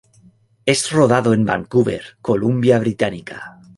Es rodado en Vancouver, Columbia Británica.